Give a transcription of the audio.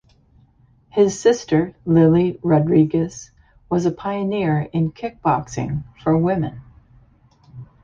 His sister Lilly Rodriguez was a pioneer in kickboxing for women.